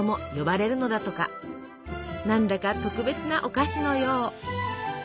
なんだか特別なお菓子のよう。